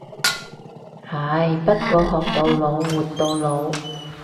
係，不過學到老活到老。